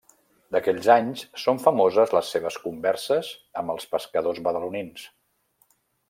D'aquells anys són famoses les seves converses amb els pescadors badalonins.